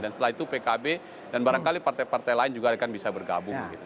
dan setelah itu pkb dan barangkali partai partai lain juga akan bisa bergabung